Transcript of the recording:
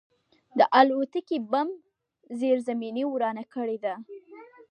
د الوتکې بم زیرزمیني ورانه کړې وه